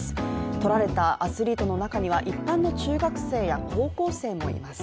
撮られたアスリートの中には一般の中学生や高校生もいます。